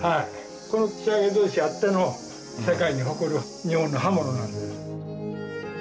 この仕上げ砥石あっての世界に誇る日本の刃物なんです。